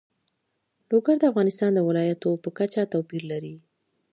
لوگر د افغانستان د ولایاتو په کچه توپیر لري.